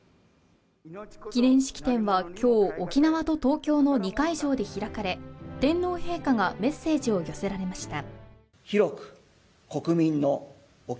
記念式典は今日、沖縄と東京の２会場で開かれ天皇陛下がメッセージを寄せられました。